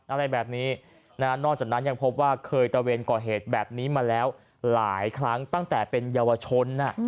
อะไรแบบนี้นอกจากนั้นยังพบว่าเคยตะเวนก่อเหตุแบบนี้มาแล้วหลายครั้งตั้งแต่เป็นเยาวชน